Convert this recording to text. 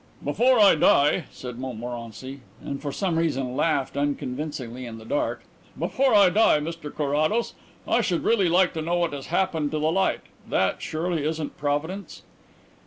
"Before I die," said Montmorency and for some reason laughed unconvincingly in the dark "before I die, Mr Carrados, I should really like to know what has happened to the light. That, surely, isn't Providence?"